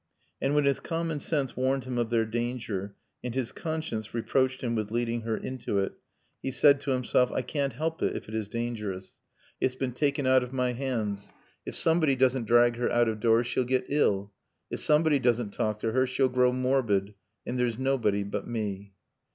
And when his common sense warned him of their danger, and his conscience reproached him with leading her into it, he said to himself, "I can't help it if it is dangerous. It's been taken out of my hands. If somebody doesn't drag her out of doors, she'll get ill. If somebody doesn't talk to her she'll grow morbid. And there's nobody but me."